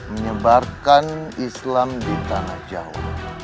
menyebarkan islam di tanah jawa